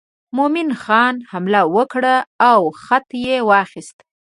مومن خان حمله ور کړه او خط یې واخیست.